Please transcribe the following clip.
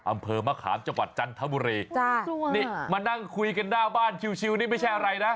อำเภอมะขามจังหวัดจันทบุรีนี่มานั่งคุยกันหน้าบ้านชิวนี่ไม่ใช่อะไรนะ